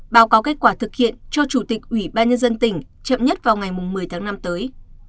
báo cáo kết quả thực hiện cho chủ tịch ủy ban nhân dân tỉnh chậm nhất vào ngày một mươi tháng năm tới